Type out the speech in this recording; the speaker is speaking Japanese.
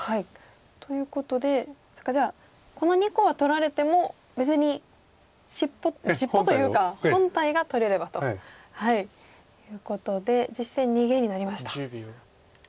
ということでじゃあこの２個は取られても別に尻尾尻尾というか本体が取れればということで実戦逃げになりました。